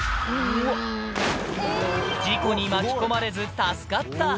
事故に巻き込まれず助かった。